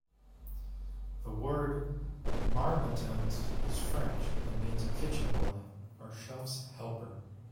The word "Marmitons" is French and means a kitchen boy, or chef's helper.